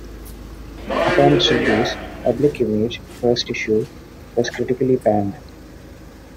Upon its release, "Public Image: First Issue" was critically panned.